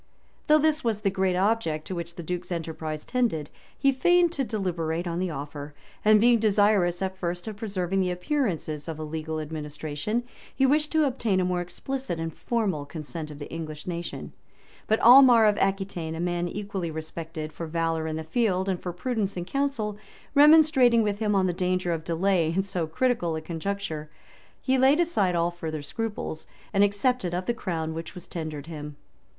] Though this was the great object to which the duke's enterprise tended, he feigned to deliberate on the offer; and being desirous, at first, of preserving the appearance of a legal administration, he wished to obtain a more explicit and formal consent of the English nation;[*] but Aimar of Aquitain, a man equally respected for valor in the field and for prudence in council, remonstrating with him on the danger of delay in so critical a conjuncture, he laid aside all further scruples, and accepted of the crown which was tendered him.